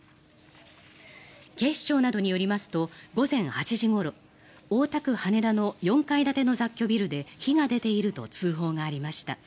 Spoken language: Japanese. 警視庁などによりますと午前８時ごろ大田区羽田の４階建ての雑居ビルで火が出ていると通報がありました。